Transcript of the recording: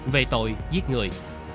về tội giết người